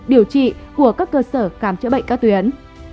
điều trị của các cơ sở khám chữa bệnh các tuyến